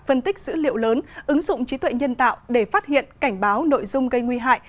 phân tích dữ liệu lớn ứng dụng trí tuệ nhân tạo để phát hiện cảnh báo nội dung gây nguy hại